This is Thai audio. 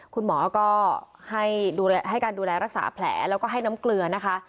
คุณหมอก็ให้การดูแลรักษาแผลแล้วก็ให้น้ำเกลือนะคะ